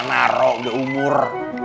nara udah umur